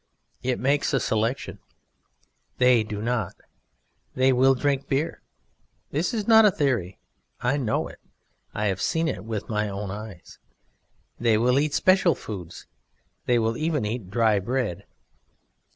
It makes a selection, They do not. They will drink beer. This is not a theory; I know it; I have seen it with my own eyes. They will eat special foods; They will even eat dry bread.